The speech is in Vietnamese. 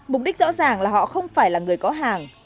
mục đích rõ ràng là họ không phải là người có hàng